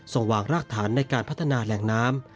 ส่งวางรากฐานในการพัฒนาแหล่งน้ำ